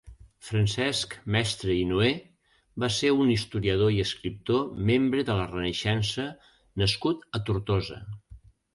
Francesc Mestre i Noé va ser un historiador i escriptor membre de la Renaixença nascut a Tortosa.